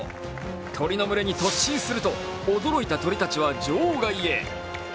鳥の群れに突進すると驚いた鳥たちは場外へ。